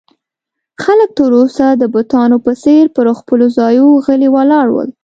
خلک تر اوسه د بتانو په څېر پر خپلو ځایو غلي ولاړ ول.